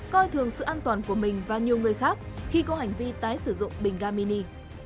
coi thường sự an toàn của mình và nhiều người khác khi có hành vi tái sử dụng bình ga mini